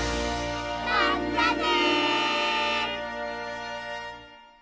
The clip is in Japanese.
まったね！